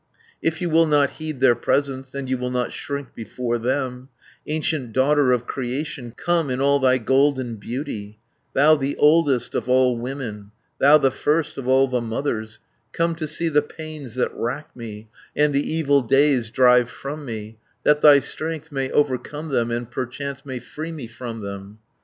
"If you will not heed their presence, And you will not shrink before them, 290 Ancient Daughter of Creation, Come in all thy golden beauty, Thou the oldest of all women, Thou the first of all the mothers, Come to see the pains that rack me, And the evil days drive from me, That thy strength may overcome them, And perchance may free me from them.